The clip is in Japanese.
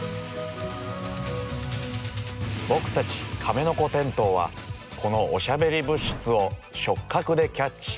僕たちカメノコテントウはこのおしゃべり物質を触角でキャッチ！